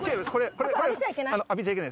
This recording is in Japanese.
これ！